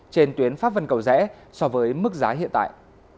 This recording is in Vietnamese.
trên tuyến pháp vân cầu rẽ so với mức giá hiện tại